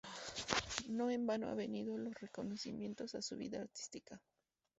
No en vano han venido los reconocimientos a su vida artística.